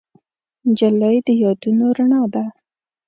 نجلۍ د یادونو رڼا ده.